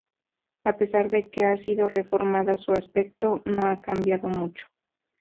A pesar de que ha sido reformada, su aspecto no ha cambiado mucho.